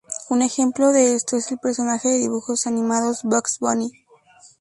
Un ejemplo de esto es el personaje de dibujos animados Bugs Bunny.